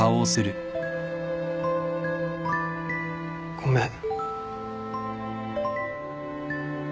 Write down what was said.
ごめん。